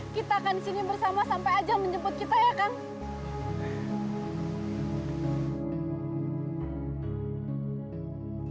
kita akan disini bersama sampai ajang menjemput kita ya kak